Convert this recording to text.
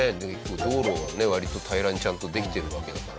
道路はね割と平らにちゃんとできてるわけだから。